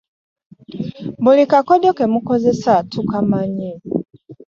Buli kakodyo ke mukozesa tukamanyi.